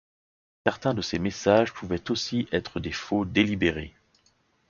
Certains de ces messages pouvaient aussi être des faux délibérés.